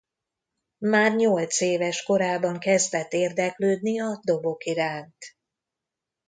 Már nyolc éves korában kezdett érdeklődni a dobok iránt.